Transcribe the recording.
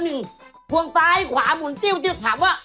เบอร์๑ก็พวงซ้ายหรือขวามุนติ้วติ๊ดถามว่า